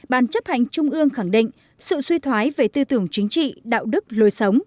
ban chấp hành trung ương khẳng định sự suy thoái về tư tưởng chính trị đạo đức lối sống